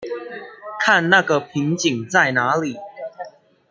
看那個瓶頸在哪裡